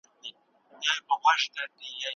خارښ خپله ځانګړې عصبي شبکه لري.